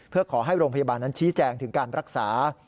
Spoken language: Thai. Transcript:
เพื่อขอให้โรงพยาบาลนั้นชี้แจงถึงการรักษา